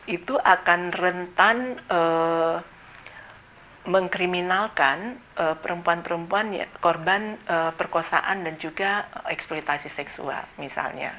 itu akan rentan mengkriminalkan perempuan perempuan korban perkosaan dan juga eksploitasi seksual misalnya